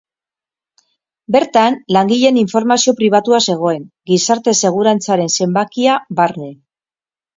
Bertan langileen informazio pribatua zegoen, gizarte-segurantzaren zenbakia barne.